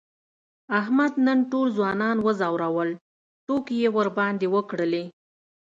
احمد نن ټول ځوانان و ځورول، ټوکې یې ورباندې وکړلې.